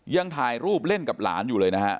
ยังถ่ายรูปเล่นกับหลานอยู่เลยนะฮะ